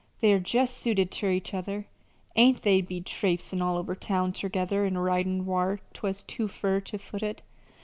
They're jest suited ter each other. Ain't they been traipsin' all over town tergether, an' ridin' whar 'twas too fur ter foot it?...